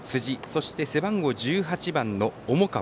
そして背番号１８番の重川